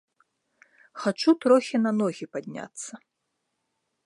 Хачу трохі на ногі падняцца.